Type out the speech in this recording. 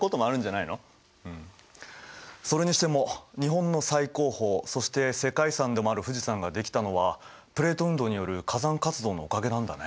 それにしても日本の最高峰そして世界遺産でもある富士山ができたのはプレート運動による火山活動のおかげなんだね。